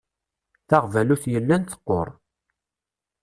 Taɣbalut yellan teqqur.